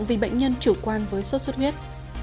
vì bệnh nhân chủ quan với sốt xuất huyết